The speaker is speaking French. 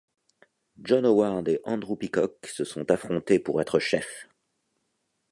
John Howard et Andrew Peacock se sont affrontés pour être chef.